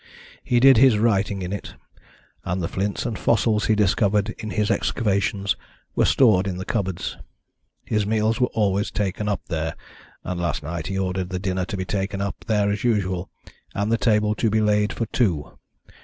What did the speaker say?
He did his writing in it, and the flints and fossils he discovered in his excavations were stored in the cupboards. His meals were always taken up there, and last night he ordered the dinner to be taken up there as usual, and the table to be laid for two.